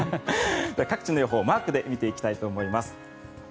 各地の予報、マークで見ていきたいと思います。